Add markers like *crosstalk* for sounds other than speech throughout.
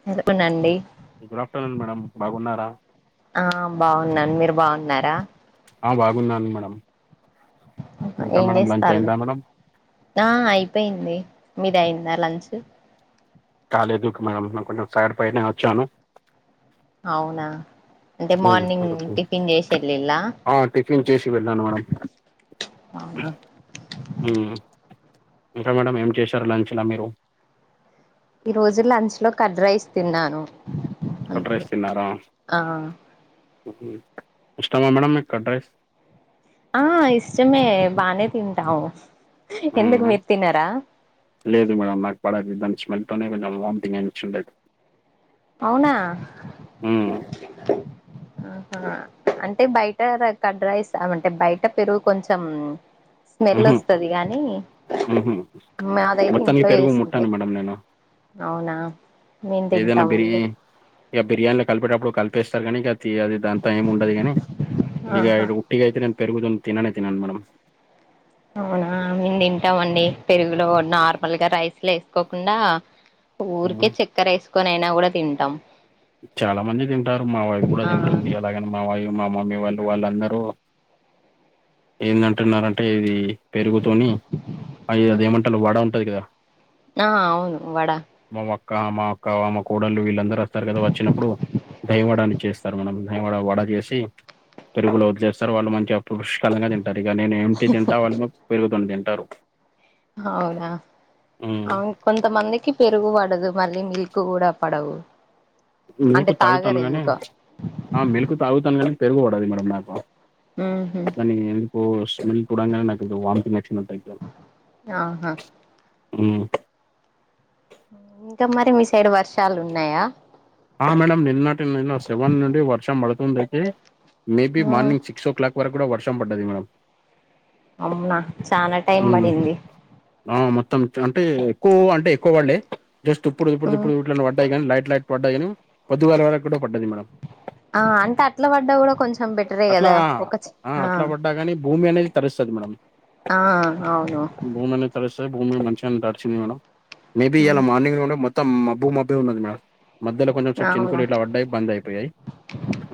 *unintelligible* ఎనండి good afternoon madam బాగున్నారా ఆ బాగున్నాను మీరు బాగున్నారా ఆ బాగున్నాను మేడం ఇంకా ఏం మేడం లంచ్ చేస్తాళ్ళు అయిందా మేడం ఆ అయిపోయింది మీది అయిందా లంచ్ కాలేదుకు మన కొంచం సైడ్ పనే వచ్చాను అవునా అంటే ఉమ్, మార్నింగ్ కొంచెం టిఫిన్ చేసేళ్ళిలా ఆ టిఫిన్ చేసి వెళ్ళాను మేడం అవున ఉం ఇంకా మేడం ఏం చేశారు లంచ్లా మీరు ఈ రోజు లంచ్ లో కడ్ రైస్ తిన్నాను కర్డ్ అంతే రైస్ తిన్నారా ఆ హు హమ్ ఇష్టమా మేడమ్ మీకు కర్డ్ రైస్ ఆ ఇష్టమే బానే తింటాము ఉమ్, ఎందుకు మీరు తిన్నారా లేదు మేడం నాకు పడది దాని స్మెల్తోనే కొంచెం వామ్థింగ్ అన్ ఉంటాడు అవునా ఉమ్, ఆహా అంటే బయట కడ్ రైస్ అవంటే బయట పెరుగు కొంచెం స్మెల్ ఉహు, వస్తది గానీ ఉహు. మాదైతే మొత్తానికి ఇంట్లో పెరుగు ఎసిందే ముట్టాను మేడం నేను అవునా మేమ్ తింటాం పెరి ఇగ బిర్యానీలో కలిపేటప్పుడు కలిపేస్తారు కానీ ఇగ తి అది దాని టైం ఉండది కాని ఇగ ఆహా ఉట్టిగా అయితే నేను పెరుగుతోని తిననే తినను మేడం అవునా మేమ్ తింటాం అండి పెరుగులో నార్మల్గా రైస్లు ఎసుకోకుండా హ్మ్. ఊరికే చక్కెర ఎసుకొని అయినా కూడా తింటాం చాలా మంది తింటారు మా వైఫ్ కూడా ఆ తింటుంది అలాగని మా వై మా మమ్మీ వాళ్ళు వాళ్ళందరూ ఏందంటున్నారంటే ఇది పెరుగుతోని అ అది ఏమంటరు వడ ఉంటది కదా ఆ అవును వడా మా వక్క మా అక్క మా కోడలు వీళ్ళందరూ వస్తారు కదా వచ్చినప్పుడు దహివడ అని చేస్తారు మేడం దహివడ వడ చేసి పెరుగులో వదిలేస్తారు వాళ్ళ మంచి అప్పు పుష్కలంగ తింటారు ఇగ నేనేం టి తింటా వాళ్ళేమో పెరుగుతోని తింటారు అవునా హ్మ్. అవు కొంతమందికి పెరుగు పడదు మళ్ళీ మీకు కూడా పడవు అంటే మిల్కు తాగరు తాగుతాను గాని ఎందుకో ఆ మిల్కు తాగుతాను కానీ పెరుగుపడది మేడం నాకు ఉహు నీ ఎందుకో స్మెల్ చూడంగానే నాకు అయితే వామ్థింగ్ వచ్చినట్టు అయితది ఆహా హ్మ్ ఇంకా మరి మీ సైడ్ వర్షాలు ఉన్నాయా ఆ మేడం నిన్నటి నిన్న సెవెన్ నుండి వర్షం పడుతుంది అయితే మేబి ఉమ్, మార్నింగ్ సిక్ సుక్ల వరక్ కూడా వర్షం పడ్డాది మేడం అవునా చాలా టైం హ్మ్. పడింది ఆ మొత్తం అంటే ఎక్కువ అంటే ఎక్కువ పడ్లే జస్ట్ ఇప్పుడు ఇప్పుడు ఉమ్, ఇప్పుడు ఇట్ల పడ్డాయి కానీ లైట్ లైట్ పడ్డాయి కాని పొద్దుగాల వరకు కూడా పడ్డది మేడం ఆ అంటే అట్ల పడ్డా కూడా కొంచెం బెటరే అట్లా కదా ఒక ఆ చిన్న అట్లా పడ్డా కానీ భూమి అనేది తడుస్తది మేడం ఆ అవును తడిస్తే భూమి మంచి తడిచింది మేడం మేబి ఇయలా మార్నింగ్ నుండే మొత్తం మాబ్బు మబ్బు ఉన్నది మేడం మధ్యలో కొంచెంసేపు అవునా చినుకులు ఇట్లా పడ్డాయ్ బంద్ అయిపోయాయ్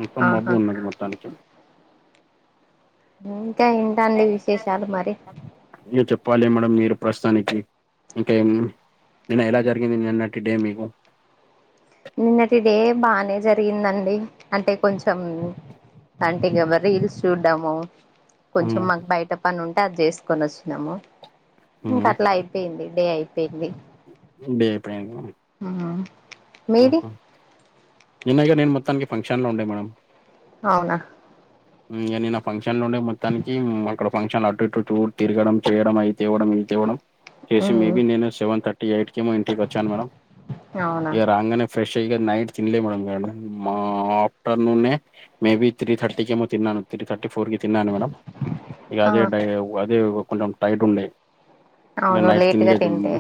మొత్తం మబ్బు ఆహా ఉన్నది మొత్తానికి ఇంకా ఏంటండి విశేషాలు మరి మీరు చెప్పాలి మేడం మీరు ప్రస్తుతానికి ఇంకేం నిన్న ఎలా జరిగింది నిన్నటి డే మీకు నిన్నటి డే బానే జరిగిందండి అంటే కొంచెం అంటే ఇగ మరి రీల్స్ చూడ్డము కొంచెం హ్మ్ మాకు బయట పని ఉంటే అది చేసుకొని వచ్చినాము ఇంకా అట్లా అయి పోయింది డే అయిపోయింది డేపేమో ఆ మీది నిన్న నేను మొత్తానికి ఫంక్షన్లో ఉండే మేడం అవునా ఇగ నిన్న ఫంక్షన్ ఉండే మొత్తానికి అక్కడ ఫంక్షన్ అటు ఇటు చూ తిరగడం చేయడం, అయి తేవ్వడం, అయి తేవడం చేసి మ్మ్. మేబీ నేను సెవెన్ థర్టీ, ఎయిట్కిమో ఇంటికి వచ్చాను మేడమ్. అవున. రంగానే ఫ్రెష్ అయి ఇగ నైట్ తినలే మేడం నేను మా ఆఫ్టర్నూనే మేబీ త్రీ థర్టీకి ఏమో తిన్నాను, త్రీ థర్టీ ఫోర్ కి తిన్నాను మేడం. ఇగ ఆ అదే టై అదే కొంచెం టైట్ ఉండే ఇగ అవును నైట్ లేట్గా తినలేదు *inaudible* తింటే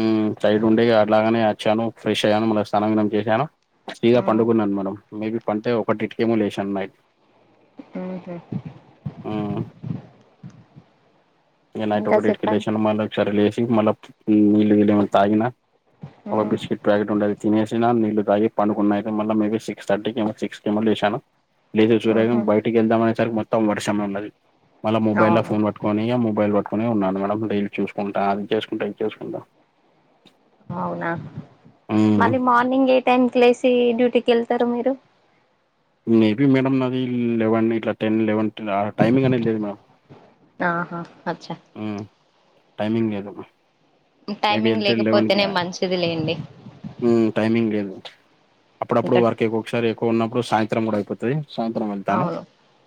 ఉ సైడ్ ఉండే అట్లాగనే అచ్చాను, ఫ్రెష్ అయ్యాను మళ్ళ స్థానం గూడ చేశాను. ఫ్రీగా మ్మ్. పండుకున్నాను మేడం. మేబి పంటే ఒకటిటి కేమో లేసాను నైట్ అఓద *inaudible* మ్మ్ నైట్ ఒకటిటికి లేసిన మల్లోక సారి మల్ నిలి *inaudible* గలి మ తాగినా ఒక మ్మ్. బెడ్ సీట్ ప్యాకెట్ ఉంటే తినేసిన నీళ్లు తాగి పండుకున్నా ఐతే మళ్ళ మేబి సిక్స్ థటీకి సిక్స్ కేమో లేసాను. లేదు సురేఖం మ్మ్. బయటికి వెళ్దాం అనే సరికి మొత్తం వర్షమ ఉన్నది మల్ల మొబైల్లో అవును ఫోన్ ప పట్కొని మొబైల్ పట్టుకొ ఉన్నా మేడం రైల్ చూసుకుంటా అది చేసుకుంటా ఇ చేసుకుంట అవునా మ్మ్ మళ్ళీ మార్నింగ్ ఏ టైమ్ కి లేసి డ్యూటీకెళ్తారు మీరు మేబీ మేడం నాది లెవెన్ ఇట్లా టెన్ లెవెన్ టైమింగ్ అనేది లేదు మేడం ఆహా అచ్చా హ్ టైమింగ్ ఏదో టైమింగ్ లేకపోతేనే మంచిది లేండి హ్ టైమింగ్ లేదు. అప్పుడప్పుడు ఇంకా వర్క్ ఎక్కు ఒకసారి ఎక్కువ ఉన్నప్పుడు సాయంత్రం కూడా అయిపోతది. సాయంత్రం వెళ్తాను అవును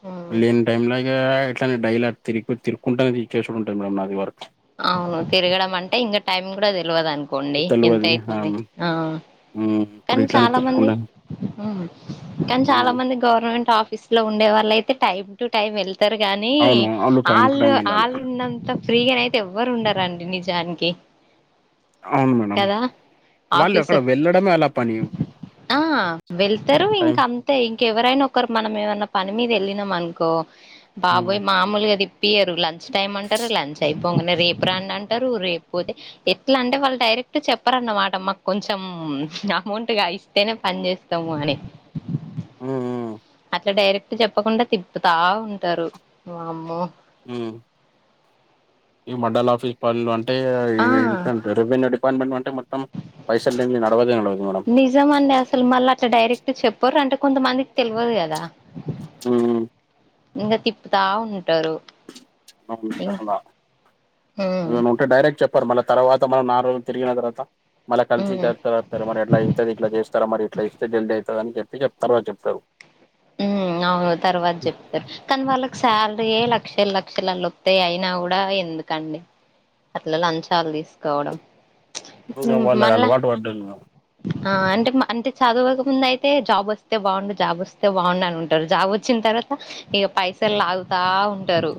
ఉమ్ లేని టైం లో ఇగ ఎట్లానే డైలాగ తిరిగి తిరుక్కుంటానే చేసూడు ఉంటాంది మేడం నాది వర్క్ అవును తిరగడం అంటే ఇంకా టైం కూడా తెలవదు అనుకోండి ఎంత అవుతుంది ఆ మ్ కానీ చాలా మంది కానీ చాలా మ్మ్ మంది గవర్నమెంట్ ఆఫీస్ లో ఉండే వాళ్ళు అయితే టైమ్ టు టైం వెళ్ తారు గానీ అవును వాళ్ళు టైం టు ఆళ్ళు టైం వెళ్ళాలి ఆళ్ళు ఉన్నంత ఫ్రీగా అయితే ఎవ్వరు ఉండారండి నిజానికి అవును. మేడం కదా వాళ్ళు ఆఫీస్ అక్కడ వెళ్ళడమే అల్ల పని ఆ వెళ్తారు టైం ఇంకా అం తే ఇంకెవరైనా ఒకరు మనం ఏమన్నా పని మీద ఎళ్ళినం అనుకో మ్మ్ బాబోయ్ మా మామూలుగా దిప్పియారు లంచ్ టైమ్ అంటారు. లంచ్ అయిపోగానే రేపు రండి అంటారు. రేపుపోతే ఎట్లా అంటే వాళ్ళు డైరెక్ట్ చెప్పరన్నమాట మాకు కొంచెం అమౌంట్గా ఇస్తేనే పని చేస్తాము అని ఉ ఊ ఇలా డైరెక్ట్ చెప్పకుండా తిప్పుతా ఉంటారు వామ్మో ఉ ఈ మండల ఆఫీస్ పనులు అంటే ఈ ఆ! ఇవి ఇట్లనే ఉంటయి రెవెన్యూ డిపార్ట్మెంట్ అంటే మొత్తం పైసలు లేంది నడవదం లేదు మేడం. నిజమండి అసలు మళ్ళ అలా డైరెక్ట్ చెప్పరు అంటే కొంతమందికి తెల్వదు కదా హ్ ఇంగా తిప్పతా ఉంటారు. ఇం హ్మ్. ఏమైనా ఉంటే డైరెక్ట్ చెప్ పర్ మళ్ళ తర్వాత మనం నాల్ రోజులు తిగిన తర్వాత మళ్ళ కలిసి హ్మ్. క తర్వా సర మరి ఎట్లా ఇంతది ఇట్లా చేస్తార మరి ఇట్లా ఇస్తే జల్ అవుతు అని చెప్పి చెప్తారు అని చెప్తారు ఉ అవును తర్వాత చెప్తారు కానీ వాళ్ళకి సాలరీయే లక్షలు లక్షలలోతాయి అయినా కూడా ఎందుకండి అట్లా లంచాలు తీసుకోవడం ఇప్ప ఇంకా వాళ్ళకి మళ్ళ అలవాటు పడ్డాను ఆ అంటే అంటే చదువక ముందు అయితే జాబ్ వస్తే బాగుండు జాబ్ వస్తే అయితే బాగుండు ఉంటారు జాబ్ వచ్చిన తర్వాత ఇక పైసలు లాగుతా ఉంటారు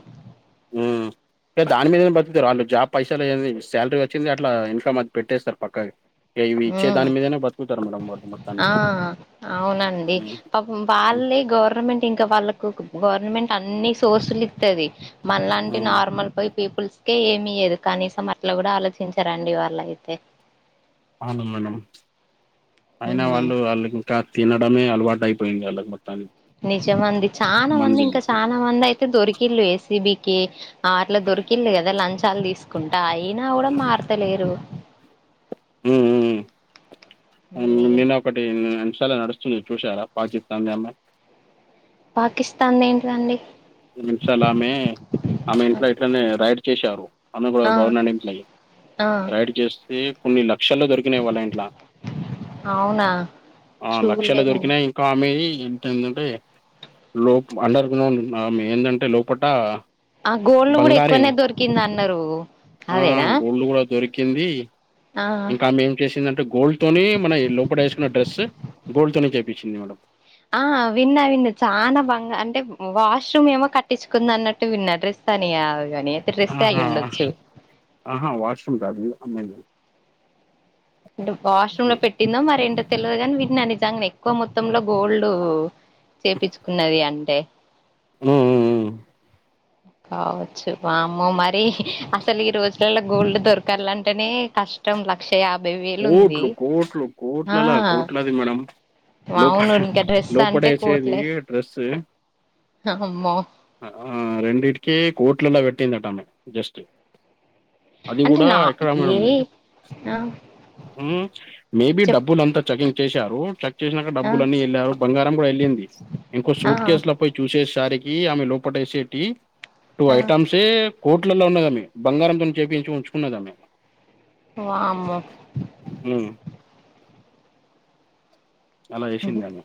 ఉ దాని మీదనే బతుకుతారు వాళ్ళు జాబ్ పైసలు ఏ శాలరీ వచ్చింది అట్లా ఇన్కమ్ అది పెట్టేస్తారు పక్కకి ఇవి ఇచ్చే ఉమ్ దాని మీదనే బతుకుతారు మేడం వా ఆ మొత్తానికి అవునండి ఉమ్, వాళ్ళే గవర్నమెంట్ ఇంకా వాళ్ళకు గవర్నమెంట్ అన్ని సోర్సులు ఇస్తది మనలాంటి ఉమ్. నార్మల్ పో పీపుల్స్కే ఏమీయదు కనీసం అట్లా కూడా ఆలోచించారండి వాళ్ళ అయితే అవున మేడం అయినా ఉమ్ వాళ్ళు వాళ్ళకు కా తినడమే అల్వా టైపోయింది అలకు మొత్తానికి నిజమండీ చాలా మంది ఇంకా చాలా మంది అయితే దొరికిళ్ళు ఏసిబికె అట్లా దొరికిలు కదా లంచాలు తీసుకుంటా అయినా కూడా మారతలేరు ఉ ఉ మీ ఒకటి ఇంస్టాలో నడుస్తుంది చూసారా పాకిస్తాన్ది అమ్మాయి పాకిస్తాన్ ది ఏంటిదండి నిమిషాలు ఆమె ఆమె ఇంట్లో ఇట్లనే రైడ్ చేశారు ఆమె కూడా ఆ గవర్నమెంట్ ఇంట్లో అయ్యి ఆ రైడ్ చేస్తే కొన్ని లక్షలు దొరికినయ్ వాళ్ళ ఇంట్లా అవునా చూలేదండి దొరికినాయి ఆమె ఏంటంటే లో అండర్ గ్రౌండ్ ఉ ఆమె ఏందంటే లోపట ఆ గోల్డ్ కూడా బంగారం ఎక్కువనే దొరికింది అన్నారు ఆ అదేనా గోల్డ్ కూడా దొరికింది ఆ ఇంకా ఆమె ఏం చేసిందంటే గోల్డ్ తోని మన లోపల వేకున్న డ్రెస్ గోల్డ్ తోని చేయిచింది మేడం ఆ విన్నా విన్నా చాలా బంగ అంటే వాష్‌రూమ్మ్ ఏమో కట్టించుకుందన్నట్టు విన్నా రెస్ సని అవుగాని ఆహా హా వాయిస్ అని కాదు అమ అంటే వాష్‌రూమ్ లో పెట్టిందో మరెంటో తెలియదు కాని వీన్న నిజంగనే ఎక్కువ మొత్తంలో గోల్డ్ చేపిచుకున్నది అంటే ఉమ్ ఉ కావొచ్చు వామ్మె మరి అసలు ఈ రోజులలో గోల్డ్ దొరకాలంటేనే కష్ కష్టం లక్ష యాభై వేలు ఉంది కోట్లు కోట్లు ఆ కోట్లలా కోట్లది మేడం లోప అవును గా డ్రెస్ అంటే లోపడేసేది కోట్లే డ్రెస్ అమ్మో రెండింటికి కోట్లలా పెట్టిందట అమె జస్ట్ అది అంటే కూడా నా ఎక్కడ ఏ ఆ మేబి చెప్ డబ్బులంతా చెకింగ్ చేశారు చె చేసినాంక ఆ డబ్బులు అని వెళ్లారు బంగారం కూడా వెళ్ళింది ఇంకో ఆ సూట్ కేసుల పోయి చూసేసరికి ఆమె లోపట వేసేటియ్ టూ ఆ ఐటమ్స్ ఏ కోట్లలో ఉన్నదమ్మె బంగారంతో చేపించి ఉంచుకున్నదమె వామ్మో ఉ అలా చేసింది ఆమె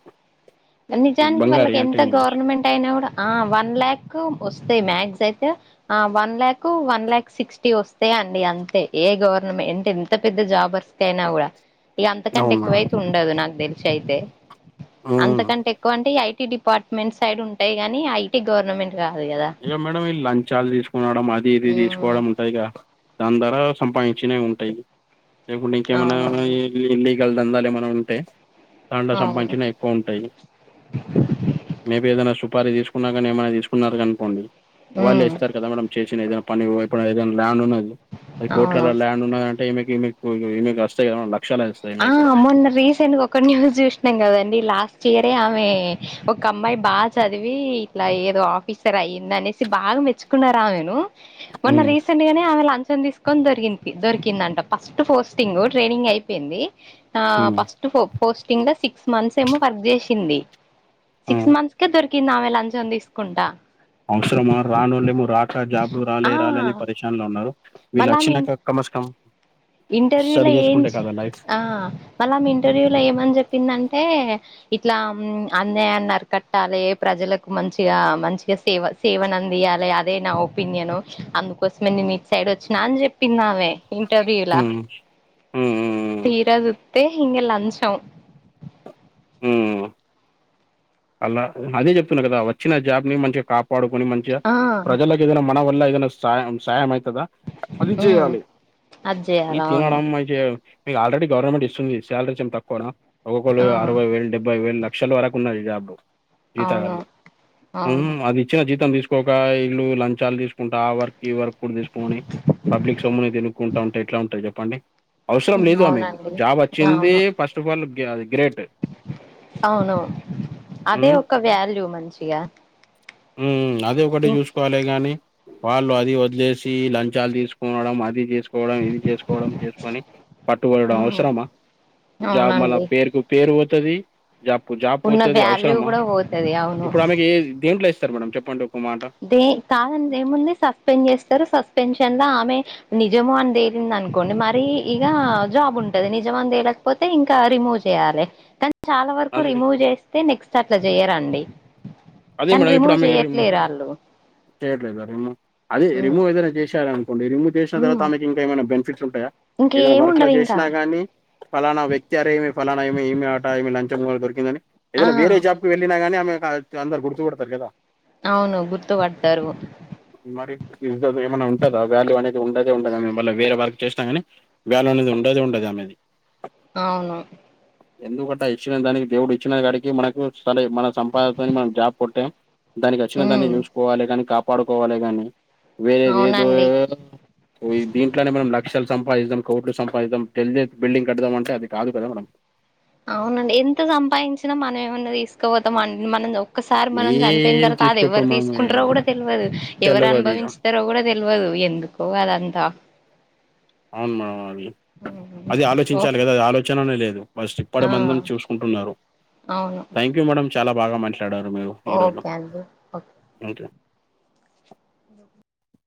నిజానికి బంగారి వాళ్ళకి అంటే ఎంత ఏంది గవర్నమెంట్ అయినా కూడా ఆ వన్ ల్యాక్ వస్తాయి మ్యాక్జ్ అయితే ఆ one lakh one lakh sixty వస్తాయి అండి అంతే ఏ గవర్నమెంట్ అంటే ఎంత పెద్ద జాబర్ తెనా కూడా ఇక అంతకంటే అవును ఎక్కువైతే ఉండదు నాకు తెలిసి అయితే మేడం మ్ అంతకంటే ఎక్కువ అంటే ఐటీ డిపార్ట్మెంట్ సైడ్ ఉంటాయి గాని ఐటీ గవర్నమెంట్ కాదు కదా ఇక మేడం లంచాలు తీసుకునడం అది ఇది తీసుకోవడం ఉంటాయిగా దాని ద్వారా సంపాదించినవి ఉంటాయి లేకుంటే ఇంకేమన్న కావలే అవునవును ఇల్లీగల్ దందాలు ఏమన్న ఉంటే దాంట్లో అవును సంపాదించినయి ఉంటాయి మేబిఏదైనా సుపారి తీసుకున్నా కానీ ఏమన్న తీసుకున్నారు కనీ కొన్ని వాళ్ళు ఇస్తారు కదా మనం చేసిన ఏదైనా పని ఇప్పుడు ఏదైనా ల్యాండ్ ఉన్న అది కోట్ల ల అవును ల్యాండ్ ఉన్నాదంటే ఇమేకి ఇమెకి వస్తాయి కద లక్షాలస్తాయి ఆ మొన్న రీసెంట్ ఒక న్యూస్ చూసినాం కదండి లాస్ట్ ఇయరే ఆమె ఒక అమ్మాయి బాగా చదివి ఇట్లా ఏదో ఆఫ్ పిసర్అయిందిఅనేసిబాగా మెచ్చుకున్నారు ఆమెనుమొన్న ఉమ్ రీసెంట్ రీసెంట్ గానే ఆమె లంచం తీసుకొని దొరికింది దొరికిందంట ఫస్ట్ పోస్టింగ్ ట్రైనింగ్ అయిపోయింది ఆ ఉమ్ ఫస్ట్ పోస్టింగ్ లో సిక్స్ మంత్స్ ఏమో వర్క్ చేసింది ఆ సిక్స్ మంత్స్ కానీ దొరికింది ఆమె లంచం తీసుకుంటా అవసరమా రానోళ్ళేమో రాక జాబ్లు రాలే ఆ రాలే పరిషానలో ఉన్నారు వీళ్ళు వచ్చినాక కమస్కమ్ ఇంటర్వ్యూ లో ఏం చే లైఫ్ ఆ మళ్ళామె ఇంటర్వ్యూ లో ఏమని చెప్పిందంటే ఇట్లా అన్యాయాన్ని అరికట్టాలి ప్రజలకు మంచిగా మంచిగా సేవ సేవనందియాలి అదే నా ఒపీనియను అందుకోసమే నేను ఇట్ సైడ్ వచ్చిన అని చెప్పిందామే ఇంటర్వ్యూలా ఉమ్ ఉమ్ ఉమ్ తీరా జుత్తె ఇంగా లంచం ఉమ్ అలా అదే చెప్తున్నా కదా వచ్చిన జాబ్ ని మంచిగా కాపాడుకొని మంచిగా ఆ ప్రజలకి ఏదైనా మన వల్ల ఏదైన సాయం సాయం అయితదా అది ఉమ్ చేయాలి అది ఈ చేయాల అవును తినడం మై మీకు ఆల్రెడీ గవర్నమెంట్ ఇస్తుంది సాలరీస్ ఏమైనా తక్కువనా ఒక్కొక్కరు ఆ అరవై వేలు డెబ్బై వేలు ల లక్షల వరకు ఉన్నది జాబ్ అవును జీతగాళ్ ఉమ్ అవును అది ఇచ్చిన జీతం తీసుకు తీసుకోక ఈళ్ళు లంచాలు తీసుకుంటా ఆ వర్క్ ఈ వర్క్ కూడా తీసుకోని పబ్లిక్ సొమ్నుని తినుకుంటా ఉంటే ఎట్లా ఉంటాయి చెప్పండి అవసరం లేదు ఆమెకు అవునండి జాబ్ వచ్చింది అవును ఫస్ట్ ఫల్ అది గ్రేట్ అవును అదే ఒక వాల్యూ మంచిగా ఉమ్ అదే ఒకటే చూసుకుంటే చుసుకోవాలె గాని వాళ్ళు అది వదిలేసి లంచాలు తీసుకోవడం అది చేసుకోవడం కోవడం ఇది చేసుకోవడం చేసుకొని పట్టుపడడం అవసరమా జాబ్ మళ్ళ అవునండి పేరుకు పేరు పోతది జాబ్ కు జాప్ ఉన్న పోతది అవసరమా వాల్యూ కూడా పొతది అవును ఏజ్ దేంట్లో ఇస్తారు మేడం చెప్పండి ఒక మాట దే కాదని ఏముంది సస్పెండ్ చేస్తారు సస్పెన్షన్ లో ఆమె నిజము అని తేలింది అనుకోండి మరి ఇగా జాబ్ ఉంటది నిజమా అని తేలక తేలకపోతే ఇకా రిమూవ్ చేయాలి చాలా వరకు అదే రిమూవ్ చేస్తే నెక్స్ట్ అట్లా చేయరండి కానీ రిమూవ్ చేయ్యట్లే రాళ్ళు చేయట్లెదా రిమువ్అది ఉమ్ రిమూవ్ ఏదైనా చేశార రిమూవ్ చేసిన తర్వాత ఉమ్ ఆమెకి ఇంకా ఏమైనా బెనిఫిట్లు ఉంటాయా ఏదైనా ఇంకేమి వర్క్ లో ఉండవు ఇంకా చేసినాగాని ఫలానా వ్యక్తి అరే ఈమే ఫలానా ఈమె ఈమె ఆట ఈమె లంచం కూడ దొరికిందని ఆ ఏదైనా వేరే జాబ్ వెళ్ళినా గానీ ఆమెకు అం అందరు గుర్తు పడుతరు కదా. అవును గుర్తుపడ్తరు. మరి ఇజద్ ఏమన్నా ఉంటందా వాల్యూ అనేది ఉండదే ఉండదు మళ్ళ వేరే వర్క్ చేశినా గాని వ్యాలు అనేది ఉండదే ఉండది ఆమెది. అవును. ఎందుకట ఇచ్చిన దానికి దేవుడు ఇచ్చిన కాడికి మనకు సలే మన సంపాద *unintelligible* మనం జాబ్ కొట్టాం దానికి అచ్చిన దాన్ని ఉమ్ చూసుకోవాలె కాని కాపాడుకోవాలె కాని వేరేదేదో అవునండి పోయి దీంట్లోనే మనం లక్షలు సంపాదిద్దాం, కోట్లు సంపాదిద్దాం *unintelligible* బిల్డింగ్ కడదాం అంటే అది కాదు కదా మనం. అవునండి ఎంత సంపాదించినా మనం ఏమన్నా తీసుకపోతాం అం మనం ఓ ఒకసారి మనం చనిపోయిన ఏం తర్వాత అది ఎవ్వరు తీసుకోపోయి మనం తీసుకుంటరో కూడా తెల్వదు ఎవ్వరు తెలవది అనుభవించ్ తరో కూడా తెల్వదు ఎందుకో అదంతా. అవును మా అవి అది ఓ ఆలోచించాలి కదా అది ఆలోచననేది లేదు. ఫస్ట్ ఇప్పటి ఆ మందం చూసుకుంటున్నరు. అవును థ్యాంక్యూ మేడం చాలా బాగా మాట్లాడారు మీరు. ఓకే అండి ఓ ఇంట్ల